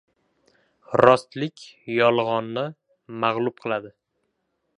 • Rostlik yolg‘onni mag‘lub qiladi.